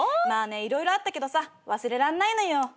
まあね色々あったけどさ忘れらんないのよ。